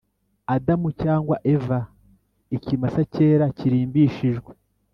adamu cyangwa eva, ikimasa cyera kirimbishijwe